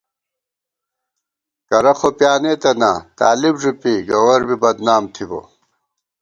کرہ خو پیانېتہ نا طالب ݫُپی گور بی بدنام تھِبہ